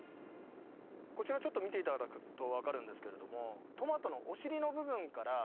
こちらちょっと見て頂くとわかるんですけれども。